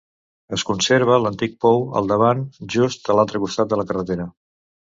Es conserva l’antic pou al davant, just a l’altre costat de la carretera.